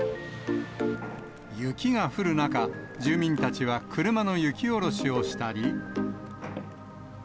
雪が降る中、住民たちは、車の雪下ろしをしたり。